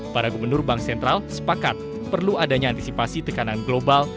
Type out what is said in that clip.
para gubernur bank sentral sepakat perlu adanya antisipasi tekanan global